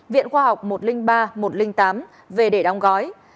viện khoa học một trăm linh ba một trăm linh tám về để đóng gói